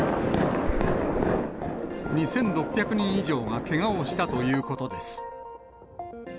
２６００人以上がけがをしたということです。